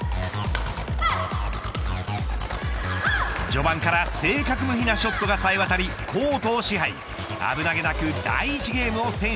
序盤から正確無比なショットがさえ渡りコートを支配。